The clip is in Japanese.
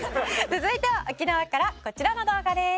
「続いては沖縄からこちらの動画です」